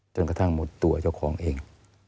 กระทั่งหมดตัวเจ้าของเอง